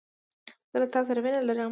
زه له تاسو سره مينه لرم